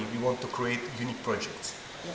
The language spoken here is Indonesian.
ingin membuat proyek unik